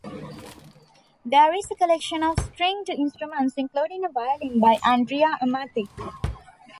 There is collection of stringed instruments including a violin by Andrea Amati.